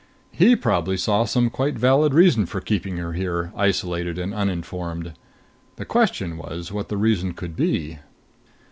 He probably saw some quite valid reason for keeping her here, isolated and uninformed. The question was what the reason could be.